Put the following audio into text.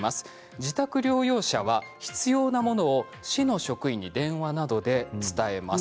自宅療養者は必要なものを市の職員に電話などで伝えます。